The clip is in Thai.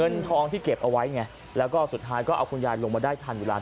เงินทองที่เก็บเอาไว้ไงแล้วก็สุดท้ายก็เอาคุณยายลงมาได้ทันเวลา